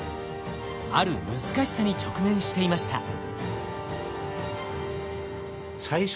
ある難しさに直面していました。